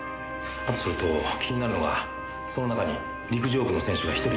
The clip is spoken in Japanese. あとそれと気になるのがその中に陸上部の選手が１人いた事です。